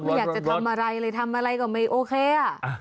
ไม่อยากจะทำอะไรเลยทำอะไรก็ไม่โอเคอ่ะ